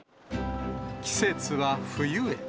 季節は冬へ。